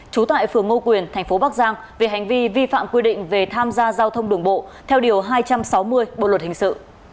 trú tại phường ngô quyền thành phố bắc giang về hành vi vi phạm quy định về tham gia giao thông đường bộ theo điều hai trăm sáu mươi bộ luật hình sự